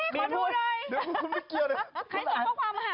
เดี๋ยวคุณไม่เกี่ยวเลย